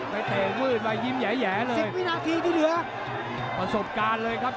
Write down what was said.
ไม่เทมค์มืดมายิ้มแยะแยะเลย